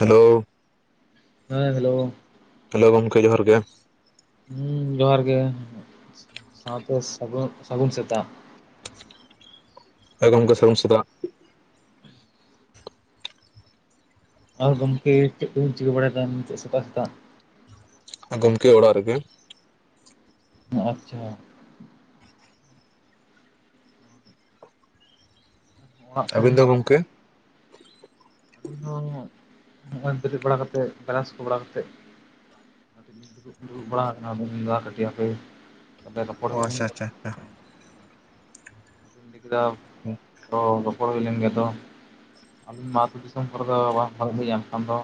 Hello, ᱦᱮᱸ hello. Hello ᱜᱚᱢᱠᱮ ᱡᱚᱦᱟᱨ ᱜᱮ ᱾ ᱦᱮᱸ ᱡᱚᱦᱟᱨ ᱜᱮ, ᱥᱟᱶᱛᱮ ᱥᱟᱹᱜᱩᱱ ᱥᱟᱹᱜᱩᱱ ᱥᱮᱛᱟᱜ ᱾ ᱦᱮᱸ ᱜᱚᱢᱠᱮ ᱥᱟᱹᱜᱩᱱ ᱥᱮᱛᱟᱜ ᱾ ᱟᱨ ᱜᱚᱢᱠᱮ ᱪᱮᱫ ᱠᱚ ᱵᱤᱱ ᱪᱤᱠᱟᱹ ᱵᱟᱲᱟᱭᱮᱫᱟ ᱱᱤᱛᱚᱜ ᱥᱮᱛᱟᱜ ᱥᱮᱛᱟᱜ? ᱜᱚᱢᱠᱮ ᱚᱲᱟᱜ ᱨᱮᱜᱮ ᱾ ᱟᱪᱪᱷᱟ ᱾ ᱚᱲᱟᱜ ᱟᱹᱵᱤᱱ ᱫᱚ ᱠᱚᱨᱮᱱᱟᱜ ᱜᱚᱢᱠᱮ? ᱤᱧ ᱦᱚᱸ ᱱᱚᱜ-ᱚᱭ ᱵᱮᱨᱮᱫ ᱵᱟᱲᱟ ᱠᱟᱛᱮᱫ ᱵᱨᱟᱥ ᱠᱚ ᱵᱟᱲᱟ ᱠᱟᱛᱮᱫ ᱫᱩᱲᱩᱵ ᱵᱟᱲᱟ ᱟᱠᱟᱱᱟ ᱵᱮᱱ ᱪᱩᱸᱫᱟ ᱟᱠᱟᱛ ᱜᱮᱭᱟ ᱯᱮ ᱚ ᱟᱪᱪᱷᱟ ᱟᱪᱪᱷᱟ ᱟᱪᱪᱷᱟ ᱾ [inaudible] ᱦᱩᱭ ᱞᱮᱱ ᱜᱮᱭᱟ ᱫᱚ ᱟᱹᱞᱤᱧ ᱢᱟ ᱟᱹᱛᱩ ᱫᱤᱥᱚᱢ ᱠᱚᱨᱮ ᱫᱚ ᱵᱟᱨᱫᱷᱟᱣ ᱞᱤᱧ ᱮᱱᱠᱷᱟᱱ ᱫᱚ?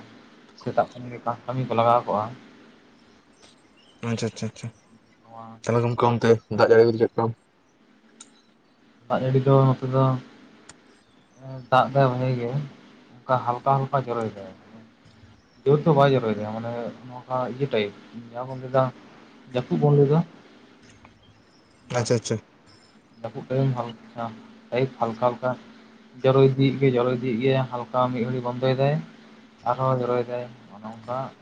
ᱥᱮᱛᱟᱜ ᱠᱷᱚᱱ ᱜᱮ ᱪᱟᱥ ᱠᱟᱹᱢᱤ ᱠᱚ ᱞᱟᱜᱟᱣ ᱠᱚᱜᱼᱟ ᱾ ᱟᱪᱪᱷᱟ ᱟᱪᱪᱷᱟ ᱟᱪᱪᱷᱟ ᱾ ᱱᱚᱣᱟ ᱟᱫᱚ ᱜᱚᱢᱠᱮ ᱚᱱᱛᱮ ᱫᱟᱜ ᱡᱟᱹᱲᱤ ᱠᱚᱫᱚ ᱪᱮᱫ ᱞᱮᱠᱟ? ᱫᱟᱜ ᱡᱟᱹᱲᱤ ᱫᱚ ᱱᱚᱛᱮ ᱫᱚ ᱫᱟᱜ ᱫᱟᱭ ᱵᱷᱟᱜᱮ ᱜᱮ ᱚᱱᱠᱟ ᱦᱟᱞᱠᱟ ᱦᱟᱞᱠᱟ ᱡᱚᱨᱚᱭ ᱫᱟᱭ ᱾ ᱡᱳᱨ ᱫᱚ ᱵᱟᱭ ᱡᱚᱨᱚᱭ ᱫᱟᱭ ᱾ ᱢᱟᱱᱮ ᱱᱚᱠᱟ ᱤᱭᱟᱹ ᱴᱟᱭᱤᱯ, ᱡᱟᱦᱟᱸ ᱵᱚᱱ ᱞᱟᱹᱭ ᱫᱟ ᱡᱟᱹᱯᱩᱫ ᱵᱚᱱ ᱞᱟᱹᱭᱫᱟ ᱞᱮᱠᱟ ᱵᱟᱜ ᱟᱪᱪᱷᱟ ᱟᱪᱪᱷᱟ ᱡᱟᱹᱯᱩᱫ ᱛᱤᱦᱤᱧ ᱦᱟᱞᱠᱟ ᱴᱟᱭᱤᱯ ᱦᱟᱞᱠᱟ ᱦᱟᱞᱠᱟ ᱾ ᱡᱚᱨᱚᱭ ᱤᱫᱤᱜ ᱜᱮᱭᱟᱭ ᱡᱚᱨᱚᱭ ᱤᱫᱤᱜ ᱜᱮᱭᱟᱭ, ᱦᱟᱞᱠᱟ ᱢᱤᱫ ᱜᱷᱟᱹᱲᱤᱡ ᱵᱚᱱᱫᱚᱭ ᱫᱟᱭ ᱾ ᱟᱨᱦᱚᱸ ᱡᱚᱨᱚᱭᱮᱫᱟᱭ ᱱᱚᱝᱠᱟ ᱾ [inaudible]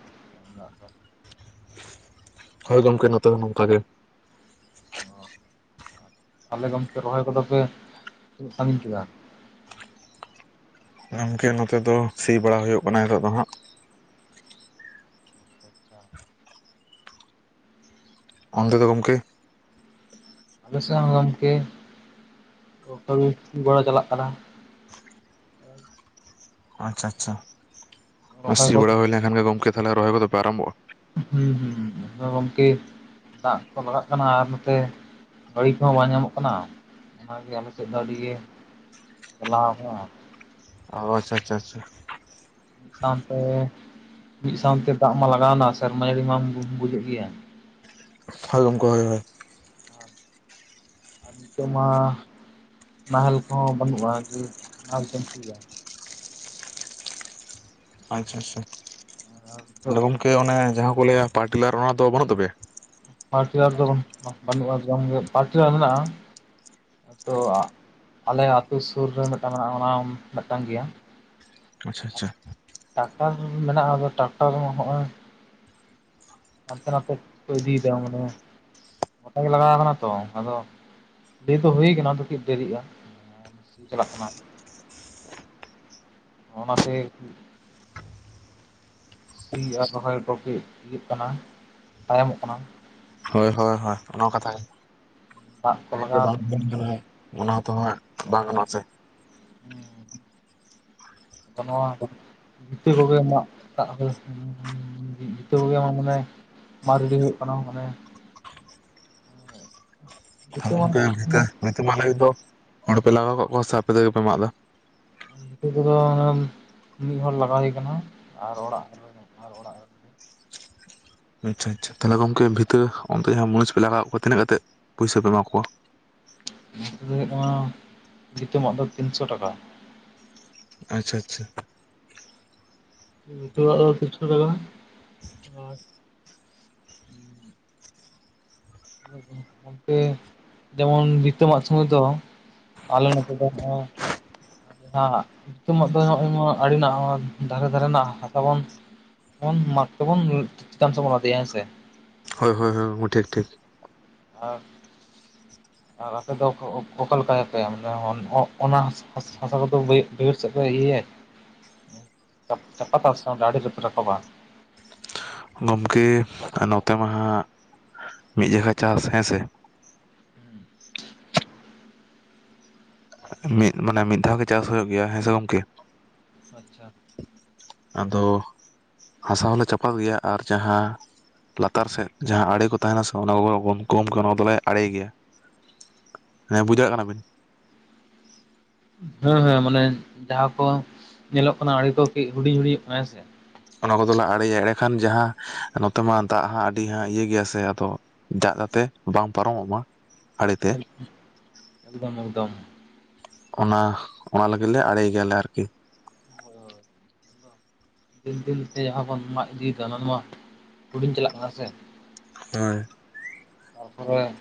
ᱦᱳᱭ ᱜᱚᱝᱠᱮ ᱱᱚᱛᱮ ᱫᱚ ᱱᱚᱝᱠᱟ ᱜᱮ ᱾ ᱛᱟᱦᱚᱞᱮ ᱜᱚᱝᱠᱮ ᱨᱚᱦᱚᱭ ᱠᱚᱫᱚ ᱯᱮ ᱛᱤᱱᱟᱹᱜ ᱥᱟᱺᱜᱤᱧ ᱠᱮᱫᱟ? ᱜᱚᱢᱠᱮ ᱱᱚᱛᱮ ᱫᱚ ᱥᱤ ᱵᱟᱲᱟ ᱦᱩᱭᱩᱜ ᱠᱟᱱᱟ ᱱᱤᱛᱚᱜ ᱫᱚ ᱦᱟᱸᱜ ᱾ ᱚᱱᱛᱮ ᱫᱚ ᱜᱚᱢᱠᱮ? ᱟᱞᱮ ᱥᱮᱫ ᱦᱚᱸ ᱜᱚᱢᱠᱮ ᱠᱟᱹᱢᱤ ᱜᱚᱲᱚ ᱪᱟᱞᱟᱜ ᱠᱟᱱᱟ ᱾ ᱟᱪᱪᱷᱟ ᱟᱪᱪᱷᱟ ᱾ ᱨᱚᱦᱚᱭ ᱥᱤ ᱠᱚ ᱵᱟᱲᱟ ᱦᱩᱭ ᱞᱮᱱᱠᱷᱟᱱ ᱜᱮ ᱜᱚᱝᱠᱮ ᱛᱟᱦᱚᱞᱮ ᱨᱚᱦᱚᱭ ᱠᱚᱫᱚ ᱯᱮ ᱟᱨᱟᱨᱚᱢᱵᱷᱚᱜᱼᱟ? ᱦᱩᱸ ᱦᱩᱸ ᱾ ᱟᱫᱚ ᱜᱚᱝᱠᱮ ᱫᱟᱜ ᱠᱚ ᱞᱟᱜᱟᱜ ᱠᱟᱱᱟ ᱟᱨ ᱱᱚᱱᱛᱮ ᱜᱟᱹᱲᱤ ᱠᱚᱦᱚᱸ ᱵᱟᱝ ᱧᱟᱢᱚᱜ ᱠᱟᱱᱟ ᱾ ᱚᱱᱟᱜᱮ ᱟᱞᱮᱥᱮᱫ ᱫᱚ ᱟᱹᱰᱤᱜᱮ ᱡᱟᱞᱟᱣ ᱟᱠᱟᱱᱟ ᱾ ᱟᱪᱪᱷᱟ ᱟᱪᱪᱷᱟ ᱟᱪᱪᱷᱟ ᱾ ᱢᱤᱫ ᱥᱟᱶᱛᱮ ᱢᱤᱫ ᱥᱟᱶᱛᱮ ᱫᱟᱜ ᱢᱟ ᱞᱟᱜᱟᱣᱱᱟ ᱥᱮᱨᱢᱟ ᱡᱟᱹᱲᱤ ᱢᱟᱢ ᱵᱩᱡᱮᱫ ᱜᱮᱭᱟ ᱾ ᱦᱳᱭ ᱜᱚᱝᱠᱮ ᱦᱳᱭ ᱦᱳᱭ ᱾ ᱟᱨ ᱱᱤᱛᱚᱜ ᱢᱟ ᱱᱟᱦᱮᱞ ᱠᱚᱦᱚᱸ ᱵᱟᱹᱱᱩᱜᱼᱟ ᱾ ᱡᱮ ᱱᱟᱦᱮᱞ ᱛᱮᱢ ᱥᱤᱭᱟ? ᱟᱪᱪᱷᱟ ᱟᱪᱪᱷᱟ, ᱟᱨ ᱱᱤᱛᱚᱜ ᱜᱚᱝᱠᱮ ᱚᱱᱮ ᱡᱟᱦᱟᱸ ᱠᱚ ᱞᱟᱹᱭᱟ ᱯᱟᱣᱟᱨᱴᱤᱞᱟᱨ ᱚᱱᱟ ᱫᱚ ᱵᱟᱹᱱᱩᱜ ᱛᱟᱯᱮᱭᱟ? ᱯᱟᱴᱤᱭᱟᱞ ᱫᱚ ᱵᱟ ᱵᱟᱹᱱᱩᱜᱼᱟ, ᱡᱮᱢᱚᱱ ᱜᱮ ᱯᱟᱴᱤᱭᱟᱞ ᱢᱮᱱᱟᱜᱼᱟ ᱾ ᱛᱚ ᱟᱞᱮ ᱟᱹᱛᱩ ᱥᱩᱨ ᱨᱮ ᱢᱤᱫᱴᱟᱝ ᱢᱮᱱᱟᱜᱼᱟ, ᱚᱱᱟ ᱢᱤᱫᱴᱟᱝ ᱜᱮᱭᱟ ᱾ ᱟᱪᱪᱷᱟ, ᱟᱪᱪᱷᱟ ᱾ ᱴᱟᱠᱴᱟᱨ ᱢᱮᱱᱟᱜᱼᱟ, ᱟᱫᱚ ᱴᱟᱠᱴᱟᱨ ᱱᱚᱜ-ᱚᱭ ᱦᱟᱱᱛᱮ ᱱᱟᱛᱮ ᱠᱚ ᱤᱫᱤᱭ ᱫᱟ ᱢᱚᱱᱮ ᱦᱳᱭ ᱾ ᱜᱚᱴᱟ ᱜᱮ ᱞᱟᱜᱟᱣ ᱠᱟᱱᱟ ᱛᱚ, ᱟᱫᱚ ᱰᱷᱤᱨ ᱫᱚ ᱦᱩᱭ ᱠᱟᱱᱟ ᱟᱫᱚ ᱠᱟᱹᱴᱤᱡ ᱫᱮᱨᱤᱜᱼᱟ ᱾ ᱪᱟᱞᱟᱜ ᱠᱟᱱᱟ ᱚᱱᱟᱛᱮ ᱥᱤ ᱟᱨ ᱨᱚᱦᱚᱭ ᱠᱚᱜᱮ ᱤᱭᱟᱹᱜ ᱠᱟᱱᱟ, ᱛᱟᱭᱚᱢᱚᱜ ᱠᱟᱱᱟ ᱾ ᱦᱳᱭ, ᱦᱳᱭ, ᱦᱳᱭ ᱚᱱᱟ ᱠᱟᱛᱷᱟ [inaudible] ᱫᱟᱜ ᱠᱚ ᱞᱟᱜᱟᱣ ᱚᱱᱟ ᱫᱚ ᱦᱟᱸᱜ ᱵᱟᱝ ᱜᱟᱱᱚᱜᱼᱟ ᱥᱮ ᱾ ᱦᱩᱸ ᱾ ᱱᱚᱣᱟ ᱤᱛᱟ ᱠᱚᱜᱮ [inaudible] ᱢᱟᱰ ᱨᱮᱰᱤ ᱦᱩᱭᱩᱜ ᱠᱟᱱᱟ ᱢᱟᱱᱮ ᱵᱷᱤᱛᱟᱹ ᱢᱟ [inaudible] ᱟᱞᱮ ᱫᱚ ᱦᱚᱲᱯᱮ ᱞᱟᱜᱟᱣ ᱠᱟᱜ ᱠᱚᱣᱟ ᱥᱮ ᱟᱯᱮ ᱛᱮᱜᱮ ᱯᱮ ᱢᱟᱜ ᱫᱟ? ᱵᱷᱤᱛᱟᱠᱚᱫᱚ ᱢᱤᱫ ᱦᱚᱲ ᱞᱟᱜᱟ ᱦᱩᱭ ᱠᱟᱱᱟ ᱟᱨ ᱚᱲᱟᱜ ᱨᱮ ᱟᱪᱪᱷᱟ, ᱟᱪᱪᱷᱟ, ᱛᱟᱦᱚᱞᱮ ᱜᱚᱝᱠᱮ ᱵᱷᱤᱛᱟᱹ ᱚᱱᱛᱮ ᱡᱟᱦᱟᱸ ᱢᱚᱹᱱᱤᱥ ᱯᱮ ᱞᱟᱜᱟᱣ ᱠᱚᱣᱟ ᱛᱤᱱᱟᱹᱜ ᱠᱟᱛᱮ ᱯᱩᱭᱥᱟ ᱯᱮ ᱮᱢᱟ ᱠᱚᱣᱟ? ᱱᱤᱛᱚᱜ ᱫᱚ ᱦᱩᱭᱩᱜ ᱠᱟᱱᱟ ᱵᱷᱤᱛᱟ ᱢᱟᱜ ᱫᱚ ᱛᱤᱱᱥᱚ ᱴᱟᱠᱟ ᱾ ᱟᱪᱪᱷᱟ, ᱟᱪᱪᱷᱟ ᱾ ᱱᱤᱛᱚᱜ ᱟᱜ ᱫᱚ ᱛᱤᱱᱥᱚ ᱫᱟᱜᱟ ᱟᱨ ᱜᱚᱝᱠᱮ ᱡᱮᱢᱚᱱ ᱵᱷᱤᱛᱟ ᱢᱟᱜ ᱥᱚᱢᱚᱭ ᱫᱚ ᱟᱞᱮ ᱱᱚᱛᱮ ᱫᱚ ᱦᱟᱸᱜ ᱟᱜ ᱫᱚ ᱱᱚᱜᱼᱚᱭ ᱟᱹᱰᱤ ᱱᱟᱜ ᱫᱷᱟᱨᱮ ᱫᱷᱟᱨᱮ ᱨᱮᱱᱟᱜ ᱦᱟᱥᱟ ᱵᱚᱱ ᱚᱱ ᱢᱟᱜ ᱛᱚᱵᱚᱱ ᱪᱮᱛᱟᱱ ᱥᱮᱫ ᱵᱚᱱ ᱞᱟᱫᱮᱭᱟ ᱦᱮᱸ ᱥᱮ ᱾ ᱦᱳᱭ, ᱦᱳᱭ, ᱦᱳᱭ ᱴᱷᱤᱠ, ᱴᱷᱤᱠ ᱾ ᱟᱨ [inaudible] ᱟᱨ ᱟᱯᱮ ᱫᱚ ᱚᱠᱟ ᱞᱮᱠᱟᱭ ᱯᱮ ᱢᱮ ᱚᱱᱟ ᱦᱟᱥᱟ ᱠᱚᱫᱚ ᱵᱟᱹᱭᱦᱟᱲ ᱥᱮᱫ ᱯᱮ ᱤᱭᱟᱹᱭᱟ [inaudible] ᱪᱟᱯᱟᱛᱟ ᱥᱮ ᱟᱨᱮ ᱨᱮᱯᱮ ᱨᱟᱠᱟᱵᱟ ᱜᱚᱝᱠᱮ ᱱᱚᱛᱮ ᱢᱟ ᱦᱟᱸᱜ ᱢᱤᱫ ᱡᱮᱠᱷᱟ ᱪᱟᱥ ᱦᱮᱸ ᱥᱮ ᱾ ᱢᱤᱫ ᱢᱟᱱᱮ ᱢᱤᱫ ᱫᱷᱟᱣ ᱜᱮ ᱪᱟᱥ ᱦᱩᱭᱩᱜ ᱜᱮᱭᱟ ᱦᱮᱸ ᱥᱮ ᱜᱚᱢᱠᱮ ᱾ ᱟᱪᱪᱷᱟ ᱾ ᱟᱫᱚ ᱦᱟᱥᱟ ᱦᱚᱞᱮ ᱪᱟᱯᱟᱫ ᱜᱮᱭᱟ ᱟᱨ ᱡᱟᱦᱟᱸ ᱞᱟᱛᱟᱨ ᱥᱮᱫ ᱡᱟᱦᱟᱸ ᱟᱲᱮ ᱠᱚ ᱛᱟᱦᱮᱱᱟ ᱥᱮ ᱚᱱᱟ ᱠᱚ ᱵᱚᱱ ᱠᱚᱢ ᱠᱚ ᱚᱱᱟ ᱫᱚᱞᱮ ᱟᱲᱮ ᱜᱮᱭᱟ ᱾ ᱦᱮᱸ ᱵᱩᱡᱷ ᱫᱟᱲᱮ ᱠᱟᱱᱟ ᱵᱤᱱ? ᱦᱮᱸ, ᱦᱮᱸ ᱢᱟᱱᱮ ᱡᱟᱦᱟᱸ ᱠᱚ ᱧᱮᱞᱚᱜ ᱠᱟᱱᱟ, ᱟᱲᱮ ᱠᱚ ᱠᱤ ᱦᱩᱰᱤᱧ, ᱦᱩᱰᱤᱧ ᱠᱟᱱᱟ ᱦᱮᱸ ᱥᱮ ᱾ ᱚᱱᱟ ᱠᱚᱫᱚᱞᱮ ᱟᱲᱮᱭᱟ ᱮᱸᱰᱮᱠᱷᱟᱱ ᱡᱟᱦᱟᱸ ᱱᱚᱛᱮ ᱢᱟ ᱫᱟᱜ ᱦᱚᱸ ᱟᱹᱰᱤ ᱦᱟᱸ ᱤᱭᱟᱹ ᱜᱮᱭᱟ ᱥᱮ ᱟᱫᱚ ᱫᱟᱜ ᱡᱟᱛᱮ ᱵᱟᱝ ᱯᱟᱨᱚᱢᱚᱜ ᱢᱟ ᱟᱨᱮ ᱮᱠᱫᱚᱢ, ᱮᱠᱫᱚᱢ ᱾ ᱚᱱᱟ, ᱚᱱᱟ ᱞᱟᱹᱜᱤᱫ ᱞᱮ ᱟᱲᱮᱭ ᱜᱮᱭᱟᱞᱮ ᱟᱨᱠᱤ ᱾ ᱦᱳᱭ ᱦᱳᱭ ᱫᱤᱱ, ᱫᱤᱱ ᱛᱮ ᱡᱟᱦᱟᱸ ᱵᱚᱱ ᱢᱟᱜ ᱤᱫᱤᱭ ᱠᱟᱜᱼᱟ, ᱚᱱᱟ ᱢᱟᱜ ᱦᱩᱰᱤᱧ ᱪᱟᱞᱟᱜ ᱠᱟᱱᱟ ᱥᱮ ᱾ ᱦᱳᱭ ᱾ ᱛᱟᱯᱚᱨᱮ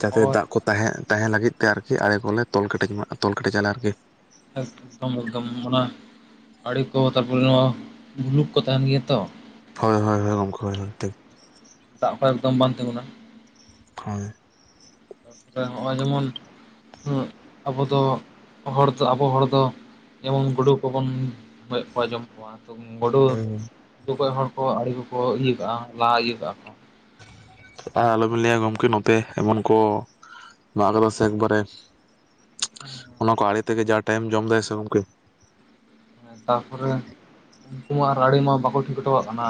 ᱡᱟᱛᱮ ᱫᱟᱜ ᱠᱚ ᱛᱟᱦᱮᱸ ᱛᱟᱦᱮᱸ ᱞᱟᱹᱜᱤᱫ ᱛᱮ ᱟᱨᱠᱤ ᱟᱲᱮ ᱠᱚᱞᱮ ᱛᱚᱞ ᱠᱮᱴᱮᱡ ᱢᱟ ᱛᱚᱞ ᱠᱮᱴᱮᱡ ᱟᱞᱮ ᱟᱨᱠᱤ ᱾ ᱮᱠᱫᱚᱢ ᱮᱠᱫᱚᱢ ᱚᱱᱟ ᱟᱲᱮ ᱠᱚ ᱛᱟᱨᱯᱚᱨᱮ ᱱᱚᱣᱟ ᱵᱷᱩᱞᱩᱠ ᱠᱚ ᱛᱟᱦᱮᱱ ᱜᱮᱭᱟ ᱛᱚ। ᱦᱳᱭ ᱦᱳᱭ ᱚᱱᱠᱟ ᱜᱮ ᱴᱷᱤᱠ ᱫᱟᱜ ᱠᱚ ᱮᱠᱫᱚᱢ ᱵᱟᱝ ᱛᱤᱸᱜᱩᱱᱟ। ᱦᱳᱭ ᱛᱟᱨᱯᱚᱨᱮ ᱱᱚᱜᱼᱚᱭ ᱡᱮᱢᱚᱱ ᱩᱸᱜ ᱟᱵᱚ ᱫᱚ ᱦᱚᱲ ᱫᱚ ᱟᱵᱚ ᱦᱚᱲ ᱫᱚ ᱡᱮᱢᱚᱱ ᱜᱩᱰᱩ ᱠᱚᱵᱚᱱ ᱜᱚᱡ ᱠᱚᱣᱟ ᱡᱚᱢ ᱠᱚᱣᱟ ᱜᱩᱰᱩ ᱜᱩᱰᱩ ᱜᱚᱡ ᱦᱚᱲ ᱠᱚ ᱟᱲᱮ ᱠᱚᱠᱚ ᱤᱭᱟᱹ ᱠᱟᱜᱼᱟ ᱞᱟᱦᱟ ᱤᱭᱟᱹ ᱠᱟᱜᱼᱟ ᱠᱚ ᱟᱨ ᱟᱞᱚᱵᱤᱱ ᱞᱟᱹᱭᱟ ᱜᱚᱢᱠᱮ ᱱᱚᱛᱮ ᱮᱢᱚᱱ ᱠᱚ ᱢᱟᱜ ᱟᱠᱟᱫᱟ ᱥᱮ ᱮᱠᱵᱟᱨᱮ ᱚᱱᱟ ᱠᱚ ᱟᱲᱮ ᱛᱮᱜᱮ ᱡᱟ ᱴᱟᱭᱤᱢ ᱡᱚᱢᱫᱟᱭ ᱥᱮ ᱜᱚᱢᱠᱮ ᱛᱟᱯᱚᱨᱮ ᱩᱱᱠᱩ ᱢᱟ ᱟᱨ ᱟᱲᱮ ᱢᱟ ᱵᱟᱠᱚ ᱴᱷᱤᱠ ᱦᱚᱴᱚᱠᱟᱜ ᱠᱟᱱᱟ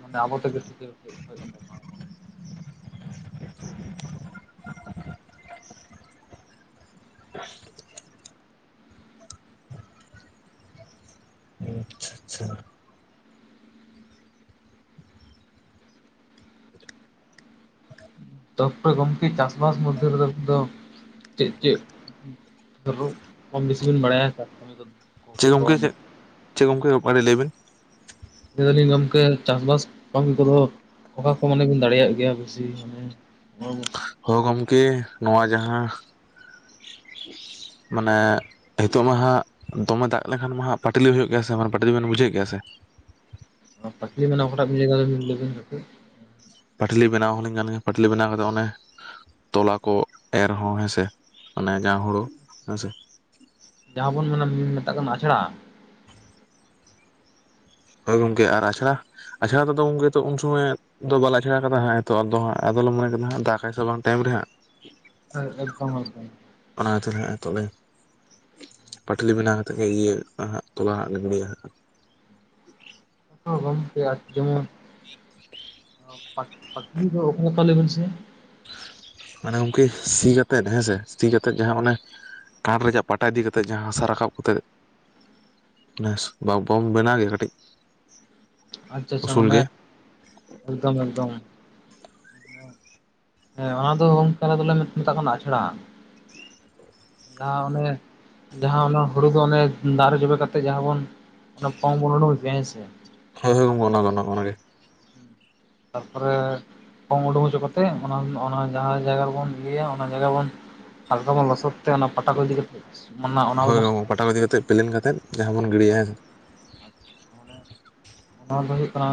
ᱢᱟᱱᱮ ᱟᱵᱚ ᱛᱮᱜᱮ ᱴᱷᱤᱠ ᱦᱳᱭᱳᱜ ᱠᱟᱱ ᱛᱟᱵᱚᱱᱟ [inaudible] [inaudible] ᱚ ᱟᱪᱪᱷᱟ ᱟᱪᱪᱷᱟ ᱛᱟᱨᱯᱚᱨᱮ ᱜᱚᱢᱠᱮ ᱪᱟᱥᱵᱟᱥ ᱢᱚᱫᱽᱫᱷᱮ ᱨᱮᱫᱚ ᱫᱚ ᱪᱮᱫ ᱪᱮᱫ ᱛᱚᱵᱩ ᱠᱚᱢ ᱵᱤᱥᱤᱵᱤᱱ ᱵᱟᱲᱟᱭᱟ ᱛᱚ ᱪᱮᱫ ᱜᱚᱝᱠᱮ ᱪᱮ ᱪᱮᱫ ᱜᱚᱝᱠᱮ ᱟᱠᱟᱨᱮ ᱞᱟᱹᱭᱵᱮᱱ ᱞᱟᱹᱭ ᱫᱟᱞᱤᱧ ᱜᱚᱢᱠᱮ ᱪᱟᱥᱵᱟᱥ ᱠᱟᱹᱢᱤ ᱠᱚᱫᱚ ᱚᱠᱟ ᱠᱚ ᱢᱟᱱᱮ ᱵᱤᱱ ᱫᱟᱲᱮᱭᱟᱜ ᱜᱮᱭᱟ ᱵᱮᱥᱤ ᱢᱟᱱᱮ? ᱚᱝ ᱦᱳ ᱜᱚᱢᱠᱮ ᱱᱚᱣᱟ ᱡᱟᱦᱟᱸ ᱢᱟᱱᱮ ᱱᱤᱛᱚᱜ ᱢᱟ ᱦᱟᱸᱜ ᱫᱚᱢᱮ ᱫᱟᱜ ᱞᱮᱠᱷᱟᱱ ᱢᱟ ᱦᱟᱹᱜ ᱯᱟᱴᱞᱤ ᱦᱩᱭᱩᱜ ᱜᱮᱭᱟ ᱥᱮ ᱵᱟᱝ ᱯᱟᱴᱞᱤ ᱵᱤᱱ ᱵᱩᱡᱮᱫ ᱜᱮᱭᱟ ᱥᱮ ᱯᱟᱴᱞᱤ ᱚᱠᱟᱴᱟᱜ ᱵᱤᱱ ᱞᱟᱹᱭ ᱫᱟ ᱞᱟᱹᱭᱵᱮᱱ ᱯᱟᱴᱞᱤ ᱵᱮᱱᱟᱣ ᱦᱚᱸᱞᱤᱧ ᱜᱟᱱ ᱜᱮᱭᱟ ᱯᱟᱴᱞᱤ ᱵᱮᱱᱟᱣ ᱠᱟᱛᱮᱫ ᱚᱱᱮ ᱛᱚᱞᱟ ᱠᱚ ᱮᱨ ᱦᱚᱸ ᱦᱮᱸᱥᱮ ᱢᱟᱱᱮ ᱡᱟ ᱦᱳᱲᱳ ᱦᱮᱸᱥᱮ ᱡᱟᱦᱟᱸ ᱵᱚᱱ ᱢᱮᱱ ᱢᱮᱛᱟᱜ ᱠᱟᱱᱟ ᱟᱪᱷᱲᱟ ᱦᱳᱭ ᱜᱚᱝᱠᱮ ᱟᱨ ᱟᱪᱷᱲᱟ ᱟᱪᱷᱲᱟ ᱛᱮᱫᱚ ᱜᱚᱝᱠᱮ ᱛᱚ ᱩᱱ ᱥᱚᱢᱚᱭ ᱫᱚ ᱵᱟᱞᱮ ᱟᱪᱷᱟᱲᱟ ᱟᱠᱟᱫᱟ ᱦᱟᱸᱜ ᱱᱤᱛᱚᱜ ᱫᱚ ᱟᱫᱚ ᱞᱮ ᱢᱚᱱᱮ ᱠᱮᱫᱟ ᱫᱟᱜᱟᱭ ᱥᱮ ᱵᱟᱝ ᱴᱟᱭᱤᱢ ᱨᱮ ᱦᱟᱸᱜ ᱦᱮᱸ ᱮᱠᱫᱚᱢ ᱮᱠᱫᱚᱢ ᱚᱱᱟᱛᱮ ᱦᱮ ᱛᱚᱞᱮ ᱯᱟᱴᱞᱤ ᱵᱮᱱᱟᱣ ᱠᱟᱛᱮᱫ ᱜᱮ ᱤᱭᱟᱹᱜ ᱛᱚᱞᱟ ᱦᱟᱸᱜ ᱞᱮ ᱜᱤᱲᱤᱭᱟ ᱦᱚᱸ ᱜᱚᱝᱠᱮ ᱟᱨ ᱡᱮᱢᱚᱱ [unintelligible] ᱯᱟᱴ ᱯᱟᱴᱞᱤ ᱫᱚ ᱚᱠᱟᱞᱮᱠᱟ ᱞᱮᱹᱭ ᱵᱤᱱ ᱥᱮ ᱢᱟᱱᱮ ᱜᱚᱢᱠᱮ ᱥᱤ ᱠᱟᱛᱮᱫ ᱦᱮᱸᱥᱮ ᱥᱤ ᱠᱟᱛᱮᱫ ᱡᱟᱦᱟᱸ ᱚᱱᱮ ᱠᱟᱴ ᱨᱮᱭᱟᱜ ᱯᱟᱴᱟ ᱤᱫᱤ ᱠᱟᱛᱮᱫ ᱡᱟᱦᱟᱸ ᱦᱟᱥᱟ ᱨᱟᱠᱟᱵ ᱠᱟᱛᱮᱫ ᱱᱮᱥ ᱵᱟᱵᱚᱱ ᱵᱮᱱᱟᱣ ᱜᱮᱭᱟ ᱠᱟᱹᱴᱤᱡ ᱟᱪᱪᱷᱟ ᱟᱪᱪᱷᱟ ᱩᱥᱩᱞ ᱜᱮ ᱢᱟᱱᱮ ᱮᱠᱫᱚᱢ ᱮᱠᱫᱚᱢ ᱦᱮᱸ ᱚᱱᱟ ᱫᱚ ᱜᱚᱝᱠᱮ ᱟᱞᱮ ᱫᱚᱞᱮ ᱢᱮᱛᱟᱜ ᱠᱟᱱᱟ ᱟᱪᱷᱟᱲᱟ ᱡᱟᱦᱟᱸ ᱚᱱᱮ ᱡᱟᱦᱟᱸ ᱚᱱᱟ ᱦᱩᱲᱩ ᱫᱚ ᱚᱱᱮ ᱫᱟᱜ ᱨᱮ ᱡᱚᱵᱮ ᱠᱟᱛᱮᱜ ᱡᱟᱦᱟᱸ ᱵᱚᱱ ᱚᱱᱟ ᱯᱚᱝ ᱵᱚᱱ ᱩᱰᱩᱠ ᱦᱚᱪᱚᱭᱟ ᱦᱮᱸ ᱥᱮ ᱦᱳᱭ ᱦᱳᱭ ᱚᱱᱟ ᱚᱱᱟᱜᱮ ᱛᱟᱨᱯᱚᱨᱮ ᱯᱚᱝ ᱩᱰᱩᱠ ᱦᱚᱪᱚ ᱠᱟᱛᱮᱫ ᱚᱱᱟ ᱚᱱᱟ ᱡᱟᱦᱟᱸ ᱡᱟᱭᱜᱟ ᱨᱮᱵᱚᱱ ᱤᱭᱟᱹᱭᱟ ᱚᱱᱟ ᱡᱟᱭᱜᱟ ᱵᱚᱱ ᱦᱟᱞᱠᱟ ᱵᱚᱱ ᱞᱚᱥᱚᱫ ᱛᱮ ᱚᱱᱟ ᱯᱟᱴᱟ ᱠᱚ ᱤᱫᱤ ᱠᱟᱛᱮ ᱚᱱᱟ ᱚᱱᱟ ᱯᱟᱴᱟᱠᱚ ᱤᱫᱤ ᱠᱟᱛᱮᱫ ᱯᱮᱞᱮᱱ ᱠᱟᱛᱮᱫ ᱡᱟᱦᱟᱸ ᱵᱚᱱ ᱜᱤᱰᱤᱭᱟ ᱦᱮᱸ ᱥᱮ ᱚᱱᱟ ᱫᱚ ᱦᱩᱭᱩᱜ ᱠᱟᱱᱟ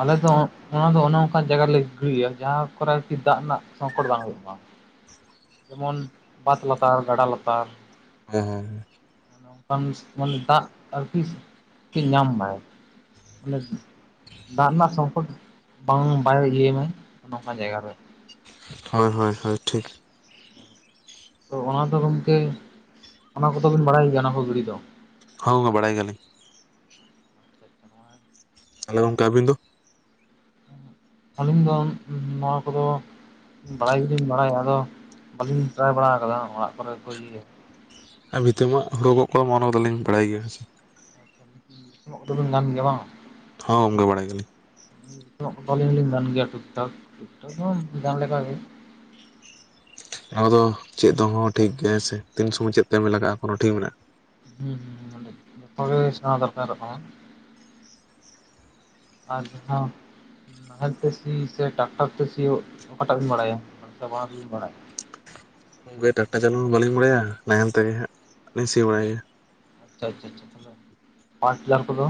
ᱟᱞᱮ ᱫᱚ ᱚᱱᱟ ᱫᱚ ᱚᱱᱮ ᱚᱱᱠᱟ ᱡᱟᱭᱜᱟ ᱨᱮᱞᱮ ᱜᱤᱲᱤᱭᱟ ᱡᱟᱦᱟᱸ ᱠᱚᱨᱮ ᱟᱨᱠᱤ ᱫᱟᱜ ᱨᱮᱱᱟᱜ ᱥᱚᱝᱠᱚᱴ ᱵᱟᱝ ᱦᱩᱭᱩᱜᱼᱟ [unintelligible] ᱡᱮᱢᱚᱱ ᱵᱟᱫᱽ ᱞᱟᱛᱟᱨ, ᱜᱟᱰᱟ ᱞᱟᱛᱟᱨ, ᱦᱮᱸ-ᱦᱮᱸ᱾ ᱱᱚᱝᱠᱟᱢ ᱢᱤᱥ ᱢᱚᱞ ᱫᱟᱜ ᱟᱨᱠᱤᱥ ᱠᱤ ᱧᱟᱢ ᱢᱟᱭ᱾ ᱢᱟᱱᱮᱫ ᱫᱟᱜ ᱱᱟᱜ ᱥᱚᱝᱠᱚᱴ ᱵᱟᱝ ᱵᱟᱭ ᱤᱭᱟᱹᱭ ᱢᱟᱭ ᱱᱚᱝᱠᱟᱱ ᱡᱟᱭᱜᱟ ᱨᱮ, ᱦᱳᱭ, ᱦᱳᱭ, ᱦᱳᱭ, ᱴᱷᱤᱠ᱾ ᱛᱚ ᱚᱱᱟ ᱫᱚ ᱜᱚᱝᱠᱮ, ᱚᱱᱟ ᱠᱚᱫᱚ ᱵᱤᱱ ᱵᱟᱲᱟᱭ ᱜᱮᱭᱟ ᱚᱱᱟ ᱯᱷᱩᱜᱽᱲᱤ ᱫᱚ ᱦᱚᱸ, ᱵᱟᱲᱟᱭ ᱜᱮᱭᱟᱞᱤᱧ᱾ ᱛᱟᱞᱮ ᱜᱚᱝᱠᱮ, ᱟᱵᱤᱱ ᱫᱚ? ᱟᱹᱞᱤᱧ ᱫᱚᱢ ᱱᱚᱣᱟ ᱠᱚᱫᱚ ᱵᱟᱲᱟᱭ ᱜᱮᱞᱤᱧ ᱵᱟᱲᱟᱭᱟ, ᱟᱫᱚ ᱵᱟᱹᱞᱤᱧ ᱴᱨᱟᱭ ᱵᱟᱲᱟ ᱟᱠᱟᱫᱟ ᱚᱲᱟᱜ ᱠᱚᱨᱮ ᱠᱚ ᱤᱭᱟᱹᱭᱟ! ᱟᱨ ᱵᱷᱤᱛᱟᱹ ᱢᱟᱜ ᱦᱩᱲᱩ ᱜᱚᱜ ᱠᱚ ᱢᱚᱱᱚ ᱫᱚᱞᱤᱧ ᱵᱟᱲᱟᱭ ᱜᱮᱭᱟ᱾ ᱩᱱᱚᱜ ᱚᱠᱛᱚ ᱫᱚᱢ ᱧᱟᱢ ᱜᱟᱱ ᱜᱮᱭᱟ ᱵᱟᱝ! ᱦᱚᱸ, ᱣᱚᱝᱠᱮ ᱵᱟᱲᱟᱭ ᱜᱮᱭᱟᱞᱤᱧ᱾ [inaudible] ᱦᱚᱸᱜᱟᱱ ᱞᱮᱠᱟᱜᱮ᱾ ᱚᱱᱟ ᱠᱚ ᱫᱚ ᱪᱮᱫ ᱛᱮ ᱦᱚᱸ ᱴᱷᱤᱠ ᱜᱮ ᱦᱮᱸ ᱥᱮ, ᱛᱤᱱ ᱥᱚᱢᱚᱭ ᱪᱮᱫ ᱠᱟᱢᱤ ᱞᱟᱜᱟᱜᱼᱟ, ᱠᱳᱱᱳ ᱴᱷᱤᱠ ᱢᱮᱱᱟᱜᱼᱟ! ᱦᱩᱸ-ᱦᱩᱸ, ᱱᱚᱰᱮ ᱡᱚᱛᱚ ᱜᱮ ᱞᱟᱹ ᱥᱮᱬᱟ ᱫᱚᱨᱠᱟᱨᱚᱜ ᱠᱟᱱᱟ᱾ ᱟᱨ ᱦᱚᱸ ᱱᱟᱦᱮᱞ ᱛᱮ ᱥᱤ ᱥᱮ ᱴᱟᱠᱴᱟᱨ ᱛᱮ ᱥᱤᱭᱳᱜ ᱚᱠᱟᱴᱟᱜ ᱵᱤᱸ ᱵᱟᱲᱟᱭᱟ ᱥᱮ ᱵᱟᱱᱟᱮ ᱜᱮ ᱵᱤᱱ ᱵᱟᱲᱟᱭᱟ? ᱩᱸ ᱜᱮ ᱴᱟᱠᱴᱟᱨ ᱪᱟᱞᱩ ᱵᱟᱹᱞᱤᱧ ᱵᱟᱲᱟᱭᱟ, ᱱᱟᱣᱮᱞ ᱛᱮ ᱜᱮ ᱦᱟᱸᱜ ᱞᱤᱧ ᱥᱤ ᱵᱟᱲᱟᱭ ᱜᱮᱭᱟ᱾ ᱪᱟ-ᱪᱟ, ᱛᱟᱞᱮ ᱯᱟᱴᱤᱞᱟᱨ ᱠᱚᱫᱚ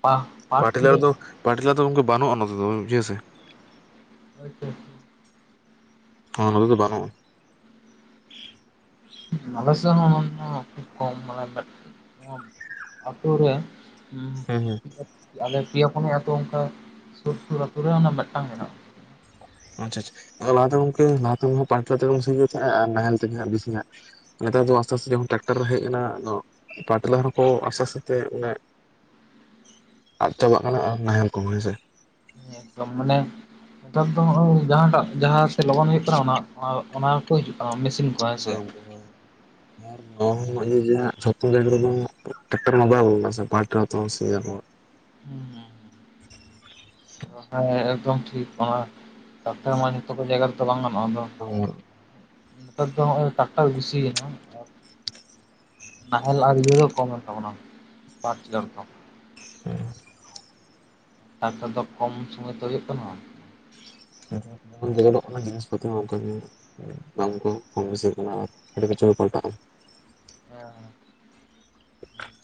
ᱯᱟ ᱯᱟᱴᱤᱞᱟᱨ ᱫᱚ, ᱯᱟᱴᱞᱟ ᱫᱚ ᱣᱚᱝᱠᱮ, ᱵᱟᱹᱱᱩᱜᱼᱟ ᱱᱚᱛᱮ [inaudible] ᱵᱩᱡᱷᱟᱹᱣ ᱥᱮ᱾ ᱳᱭᱛᱚ᱾ ᱦᱚᱸ, ᱱᱚᱛᱮ ᱫᱚ ᱵᱟᱱᱩᱜᱼᱟ᱾ [inaudible] ᱦᱩᱸ, ᱦᱩᱸ ᱦᱩᱸ ᱟᱞᱮ ᱯᱤᱭᱟ, ᱯᱩᱱᱤᱭᱟ ᱟᱹᱛᱩ ᱚᱝᱠᱟ ᱥᱩᱨ-ᱥᱩᱨ ᱟᱹᱛᱩ ᱨᱮ ᱚᱱᱟ ᱢᱤᱜᱴᱟᱝ ᱢᱮᱱᱟᱜᱼᱟ᱾ ᱟᱪᱪᱷᱟ-ᱪᱷᱟ, ᱟᱸ ᱞᱟᱦᱟᱛᱮ ᱜᱚᱝᱠᱮ, ᱞᱟᱦᱟ ᱛᱮ ᱯᱟᱞᱴᱨᱟ ᱛᱮᱜᱮ ᱵᱚᱱ ᱥᱤ ᱦᱩᱭᱩᱜ ᱛᱷᱮᱸᱜᱼᱟ ᱟᱨ ᱱᱟᱦᱮᱞ ᱛᱮᱜᱮ ᱦᱟᱸᱜ ᱵᱤᱥᱤ [inaudible] ᱱᱮᱛᱟ ᱫᱚ ᱟᱸᱥᱛᱮ-ᱟᱸᱥᱛᱮ ᱡᱚᱠᱷᱚᱱ ᱴᱟᱠᱴᱟᱨ ᱦᱮᱡ ᱮᱱᱟ ᱫᱚᱸ ᱯᱟᱴᱤᱞᱟᱨ ᱦᱚᱸ ᱠᱚ ᱟᱥᱛᱮ-ᱟᱥᱛᱮ ᱛᱮ ᱢᱟᱱᱮ ᱟᱜ ᱪᱟᱵᱟᱜ ᱠᱟᱱᱟ ᱟᱨ ᱱᱟᱦᱮᱞ ᱠᱚᱦᱚᱸ ᱦᱮᱸ ᱥᱮ᱾ ᱮᱠᱫᱚᱢ, ᱢᱟᱱᱮ ᱱᱮᱛᱟᱫᱽ ᱫᱚ ᱦᱚᱸᱜᱼᱚᱸᱭ ᱡᱟᱦᱟᱸ ᱴᱟᱜ ᱡᱟᱦᱟ ᱛᱮ ᱞᱚᱜᱚᱱ ᱦᱩᱭᱩᱜ ᱠᱟᱱᱟ, ᱚᱱᱟ ᱶᱟ ᱚᱱᱟ ᱴᱷᱩ ᱦᱤᱡᱩᱜ ᱠᱟᱱᱟ ᱢᱤᱥᱤᱱ ᱦᱳᱭ ᱦᱩᱸ ᱜᱚᱝᱠᱮ, ᱟᱨ [inaudible] ᱦᱩᱸ-ᱦᱩᱸ᱾ [inaudible] ᱚ ᱦᱮᱸ ᱮᱠᱫᱚᱢ ᱴᱷᱤᱠ ᱚᱱᱟ, ᱴᱟᱠᱴᱟᱨ ᱢᱟ ᱡᱚᱛᱚ ᱠᱚ ᱡᱟᱭᱜᱟ ᱨᱮᱛᱚ ᱵᱟᱝ ᱜᱟᱱᱚᱜᱼᱟ ᱛᱚ! ᱚᱸ᱾ ᱱᱮᱛᱟᱨ ᱫᱚ ᱦᱚᱸᱜᱼᱚᱸᱭ ᱴᱟᱠᱴᱟᱨ ᱵᱤᱥᱤ‌ ᱭᱮᱱᱟ᱾ ᱟ ᱱᱟᱦᱮᱞ ᱟᱨ ᱤᱭᱟᱹ ᱫᱚ ᱠᱚᱢᱮᱱ ᱛᱟᱵᱚᱱᱟ ᱯᱟᱴᱤᱞᱟᱨ ᱫᱚ᱾ ᱩᱸ᱾ ᱴᱟᱠᱴᱟ ᱫᱚ ᱠᱚᱢ ᱥᱩᱢᱚᱭ ᱛᱮ ᱦᱩᱭᱩᱜ ᱠᱟᱱᱟ᱾ [inaudible] ᱵᱟᱝ ᱠᱚ ᱠᱚᱢ ᱵᱮᱥᱤᱜ ᱠᱟᱱᱟ ᱟ ᱟᱹᱰᱤ ᱠᱤᱪᱷᱩ ᱯᱟᱞᱴᱟᱜᱼᱟ᱾ ᱦᱮᱸᱼᱭᱟᱸ ᱾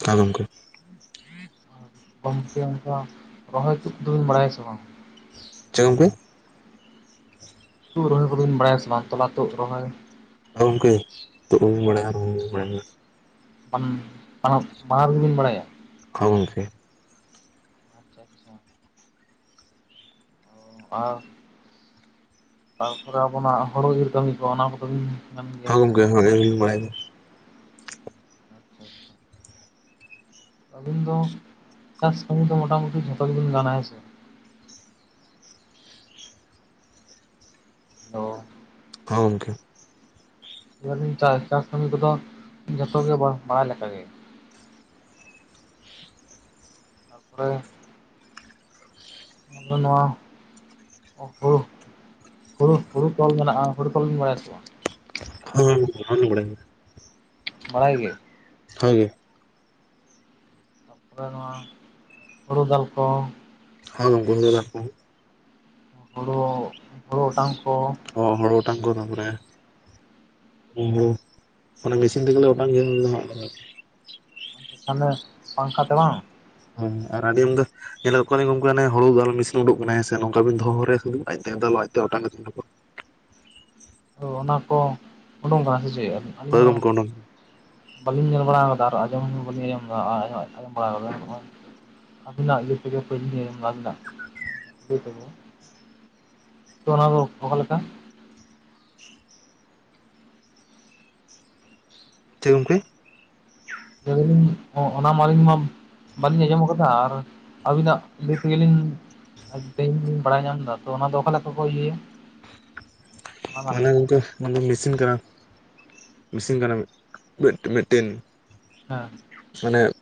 ᱛᱟᱸ ᱜᱚᱢᱠᱮ ᱾ [inaudible] ᱜᱚᱢᱠᱮ ᱚᱱᱠᱟ ᱨᱚᱦᱚᱭ ᱛᱩᱫ ᱫᱚᱵᱤᱱ, ᱵᱟᱲᱟᱭᱟ ᱥᱮ ᱵᱟᱝ? ᱪᱮᱫ ᱜᱚᱢᱠᱮ? ᱦᱩᱲᱩ ᱨᱚᱦᱚᱭ ᱠᱚᱫᱚ, ᱵᱤᱱ ᱵᱟᱲᱟᱭ ᱟᱥᱮ, ᱵᱟᱝ? ᱛᱚᱞᱟᱹᱛᱩᱫ ᱨᱚᱦᱚᱭ ᱦᱳᱭ ᱜᱚᱢᱠᱮ, ᱛᱩᱫ ᱦᱚᱸᱞᱤᱧ ᱵᱟᱲᱟᱭᱟ, ᱨᱚᱦᱚᱭ ᱦᱚᱸ ᱞᱤᱧ ᱟᱵᱟᱭᱟ ᱾ ᱵᱟᱱᱟᱨ ᱨᱮᱜᱵᱤᱱ, ᱵᱟᱲᱟᱭᱟ ᱾ ᱦᱚᱸ ᱜᱚᱢᱠᱮ ᱾ ᱟᱪ ᱪᱷᱟ ᱾ ᱟᱨ, ᱛᱟᱨ ᱯᱚᱨᱮ, ᱟᱵᱚᱱᱟᱜ ᱦᱩᱲᱩ ᱤᱨ ᱠᱟᱹᱢᱤ ᱠᱚ, ᱚᱱᱟ ᱠᱚ ᱠᱟᱹᱢᱤ ᱦᱚᱸ ᱜᱚᱢᱠᱮ, ᱦᱚᱭ, ᱟᱸᱞᱤᱧ, ᱞᱤᱧ ᱵᱟᱲᱟᱭ ᱜᱮᱭᱟ ᱾ ᱟᱪᱪᱷᱟ ᱟᱪᱪᱷᱟ ᱟᱹᱵᱤᱱ ᱫᱚ, ᱪᱟᱥ ᱠᱟᱹᱢᱤ ᱫᱚ, ᱢᱚᱴᱟ ᱢᱩᱴᱤ ᱡᱷᱚᱛᱚ ᱜᱮᱵᱤᱱ, ᱜᱟᱱᱟ, ᱦᱮᱸ ᱥᱮ ᱾ ᱦᱟᱞᱳ ᱦᱚᱸ ᱜᱚᱢᱠᱮ ᱾ ᱞᱟᱹᱭ ᱮᱫᱟᱞᱤᱧ ᱪᱟᱥ ᱠᱟᱹᱢᱤ ᱠᱚᱫᱚ, ᱡᱚᱛᱚ ᱜᱮ, ᱵᱟᱲᱟᱭ ᱞᱮᱠᱟᱜ ᱜᱮ ᱾ ᱛᱟ ᱯᱚᱨᱮ, ᱵᱟᱝ ᱫᱚ, ᱱᱚᱣᱟ ᱚᱦ ᱦᱩᱲᱩ, ᱦᱩᱲᱩ, ᱦᱩᱲᱩ ᱛᱚᱞ ᱢᱮᱱᱟᱜᱼᱟ, ᱦᱩᱲᱩ ᱛᱚᱞᱵᱤᱱ ᱵᱟᱲᱟᱭ ᱟᱥᱮ ᱵᱟᱝ? ᱦᱚᱸ, ᱚᱱᱟ ᱦᱚᱸᱞᱤᱧ ᱵᱟᱰᱟᱭᱟ ᱾ ᱵᱟᱲᱟᱭ ᱜᱮ ᱾ ᱦᱚᱭ ᱜᱮ ᱾ ᱛᱟᱨᱯᱚᱨᱮ, ᱱᱚᱣᱟ ᱦᱳᱲᱳ ᱫᱟᱞ ᱠᱚ? ᱦᱚᱭ, ᱜᱚᱱᱮᱠᱟ ᱠᱚ, ᱦᱩᱲᱩ, ᱦᱳᱲᱳ ᱚᱴᱟᱝ ᱠᱚ ᱚᱼ ᱦᱳᱲᱳ ᱚᱴᱟᱝ ᱠᱚᱫᱚ ᱯᱩᱨᱟ. ᱩᱸᱼᱦᱩᱸ ᱚᱱᱟ ᱢᱮᱥᱤᱱ ᱛᱮᱜᱮᱞᱮ, ᱚᱴᱟᱝ ᱜᱮᱭᱟ ᱾ [unintelligible] ᱛᱟᱦᱚᱞᱮ, ᱴᱟᱝᱠᱷᱟ ᱴᱟᱲᱟᱝ? ᱦᱮᱸ ᱼ, ᱟᱨ ᱟᱵᱤᱱ ᱫᱚ ᱧᱮᱞ ᱟᱠᱟᱫ ᱠᱚᱣᱟ ᱞᱤᱧ ᱜᱚᱝᱠᱮ, ᱦᱟᱱᱮ ᱦᱩᱲᱩ ᱫᱟᱞ ᱢᱮᱥᱤᱱ ᱩᱰᱩᱠ ᱠᱚ ᱠᱟᱱᱟ, ᱦᱮᱸ ᱥᱮ, ᱱᱚᱝᱠᱟ ᱵᱤᱱ ᱫᱚᱦᱚ ᱦᱚᱨᱟᱭᱟ, ᱥᱩᱫᱩ ᱟᱡ ᱛᱮᱜᱮ, ᱫᱟᱞᱚᱜ-ᱟ, ᱟᱡ ᱛᱮᱜᱮ, ᱚᱴᱟᱝ ᱠᱟᱛᱮ, ᱩᱰᱩᱠᱚᱜ-ᱟ। ᱦᱚᱻ ᱚᱱᱟ ᱠᱚ, ᱩᱰᱩᱝ ᱟᱠᱟᱱᱟ ᱥᱮ ᱪᱮᱫ? ᱟᱹᱞᱤᱧ ᱦᱳᱭ ᱦᱚᱸ ᱜᱚᱝᱠᱮ ᱚᱰᱚᱝ ᱵᱟᱹᱞᱤᱧ ᱧᱮᱞ ᱵᱟᱲᱟ ᱟᱠᱟᱫᱟ, ᱟᱨ ᱟᱸᱡᱚᱢ ᱦᱚᱸ, ᱵᱟᱞᱤᱧ ᱟᱸᱡᱚᱢ ᱵᱟᱲᱟ ᱟᱠᱟᱫᱟ, ᱱᱚᱜᱼᱚᱭ ᱟᱹᱵᱤᱱᱟᱜ ᱤᱭᱟᱹ ᱛᱮᱜᱮ, ᱯᱩᱭᱞᱚ ᱟᱹᱵᱤᱱᱟᱜ, ᱤᱭᱟᱹ ᱛᱮᱜᱮ, ᱛᱚ ᱚᱱᱟ ᱫᱚ, ᱯᱳᱦᱚᱞ ᱞᱮᱠᱟ? ᱪᱮᱫ? ᱜᱚᱝᱠᱮ! [unintelligible] ᱚᱱᱟ ᱢᱟ, ᱟᱹᱞᱤᱧ ᱢᱟ ᱵᱟᱹᱞᱤᱧ ᱟᱸᱡᱚᱢ ᱟᱠᱟᱫᱟ, ᱟᱨ ᱟᱹᱵᱤᱱᱟᱜ ᱞᱟᱹᱭ ᱛᱮᱜᱮ, ᱞᱤᱧ ᱛᱮᱦᱮᱧ, ᱤᱧ ᱵᱟᱲᱟᱭ ᱧᱟᱢ ᱮᱫᱟ, ᱛᱚ, ᱚᱱᱟ ᱫᱚ, ᱚᱠᱟ ᱞᱮᱠᱟ ᱠᱚ, ᱤᱭᱟᱹᱭᱟ? ᱚᱱᱟ ᱨᱮᱱᱟᱜ ᱢᱟᱱᱮ, ᱜᱚᱢᱠᱮ ᱢᱟᱱᱮ ᱢᱮᱥᱤᱱ ᱠᱟᱱᱟ, ᱢᱮᱥᱤᱱ ᱠᱟᱱᱟ, ᱢᱤᱛ ᱢᱤᱫᱴᱮᱱ। ᱦᱟᱸ। ᱢᱟᱱᱮ